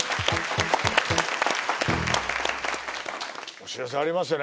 お知らせありますよね？